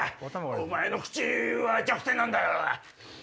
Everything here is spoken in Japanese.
お前の口は弱点なんだ。